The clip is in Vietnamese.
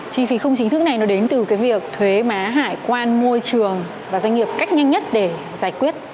chi phí không chính thức này nó đến từ cái việc thuế má hải quan môi trường và doanh nghiệp cách nhanh nhất để giải quyết